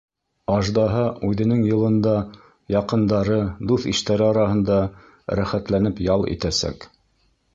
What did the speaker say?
Аждаһа үҙенең йылында яҡындары, дуҫ-иштәре араһында рәхәтләнеп ял итәсәк.